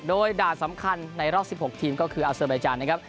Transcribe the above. โดยด่านสำคัญในรอบ๑๖ทีมก็คืออาซิบลายจันทร์